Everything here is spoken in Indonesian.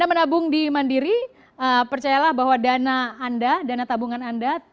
dan menabung di mandiri percayalah bahwa dana anda dana tabungan anda